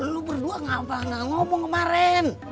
lo berdua ngomong kemarin